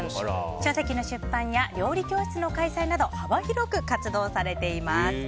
書籍の出版や料理教室の開催など幅広く活躍されています。